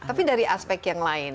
tapi dari aspek yang lain